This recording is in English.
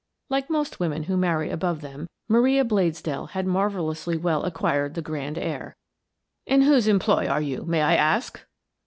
Like most women who marry above them, Maria Bladesdell had marvellously well acquired the grand air. " In whose employ are you, may I ask